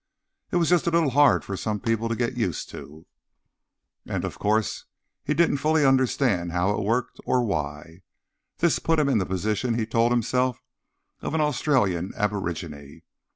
It was just a little hard for some people to get used to. And, of course, he didn't fully understand how it worked, or why. This put him in the position, he told himself, of an Australian aborigine.